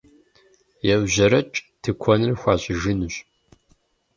Еужьэрэкӏ, тыкуэныр хуащӏыжынущ!